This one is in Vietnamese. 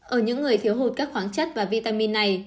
ở những người thiếu hụt các khoáng chất và vitamin này